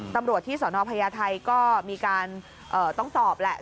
ตำรวจที่สนพญาไทยก็มีการต้องสอบแหละ